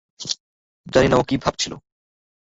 জানি না ও কী ভাবছিল।